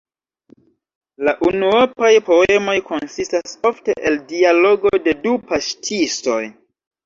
La unuopaj poemoj konsistas ofte el dialogo de du paŝtistoj.